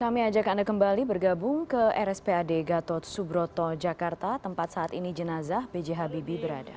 kami ajak anda kembali bergabung ke rspad gatot subroto jakarta tempat saat ini jenazah b j habibie berada